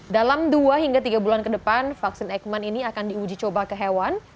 dalam dua hingga tiga bulan ke depan vaksin ekman ini akan diuji coba ke hewan